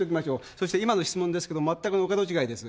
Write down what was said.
そして今の質問ですけども全くのお門違いです。